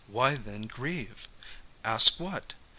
Why then grieve? Ask what?